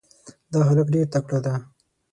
دا هلک ډېر تکړه ده.